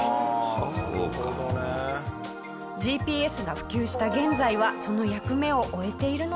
ＧＰＳが普及した現在はその役目を終えているのだそうです。